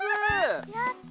やった！